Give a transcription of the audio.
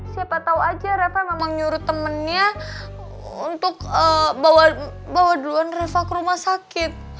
siapa tahu aja reva memang nyuruh temennya untuk bawa duluan reva ke rumah sakit